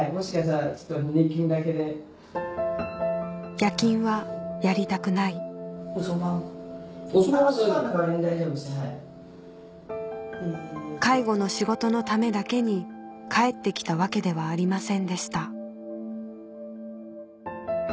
夜勤はやりたくない介護の仕事のためだけに帰ってきたわけではありませんでした